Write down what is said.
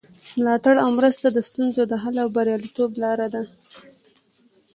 ملاتړ او مرسته د ستونزو د حل او بریالیتوب لاره ده.